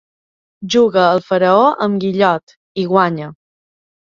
Juga al faraó amb Guillot, i guanya.